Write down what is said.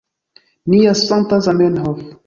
Nia sankta Zamenhof